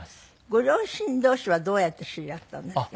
ご両親同士はどうやって知り合ったんですか？